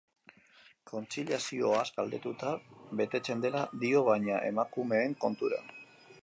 Kontziliazioaz galdetuta, betetzen dela dio baina, emakumeen kontura.